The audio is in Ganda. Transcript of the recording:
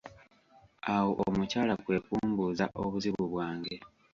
Awo omukyala kwe kumbuuza obuzibu bwange.